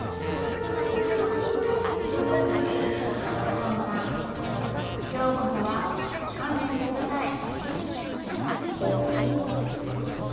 お父さん今日こそは観念して下さい。